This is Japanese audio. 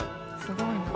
すごいな。